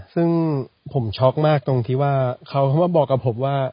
ซึ่งผมช็อกมากตรงที่ว่าเขามาบอกกับผมว่า